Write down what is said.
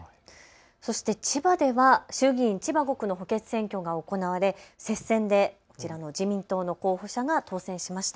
そして千葉では衆議院千葉５区の補欠選挙が行われ接戦でこちらの自民党の候補者が当選しました。